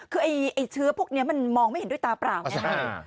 คือไอ้เชื้อพวกนี้มันมองไม่เห็นด้วยตาเปล่าไงครับ